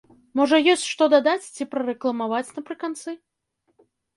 Можа, ёсць, што дадаць, ці прарэкламаваць напрыканцы?